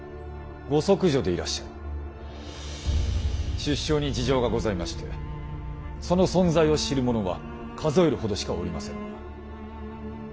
出生に事情がございましてその存在を知る者は数えるほどしかおりませぬが。